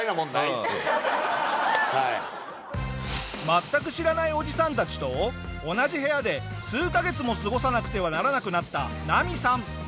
全く知らないおじさんたちと同じ部屋で数カ月も過ごさなくてはならなくなったナミさん。